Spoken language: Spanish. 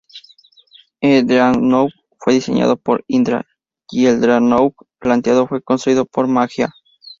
El Dreadnought fue diseñado por Hydra, y el Dreadnought Plateado fue construido por Maggia.